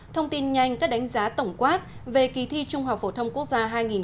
thông tin nhanh các đánh giá tổng quát về kỳ thi trung học phổ thông quốc gia hai nghìn một mươi tám